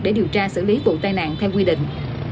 để điều tra xử lý vụ tai nạn theo quy định